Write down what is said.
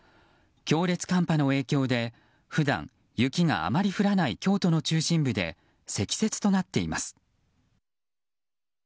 強烈寒波の影響で普段、雪があまり降らない京都の中心部で積雪となっています。